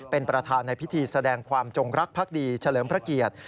เป็นประธานในพิธีแสดงความจงรักภักดีเฉลิมพระเกียรติ